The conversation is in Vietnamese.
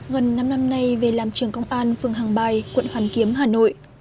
gần năm năm nay về làm trường công an phường hàng bài quận hoàn kiếm hà nội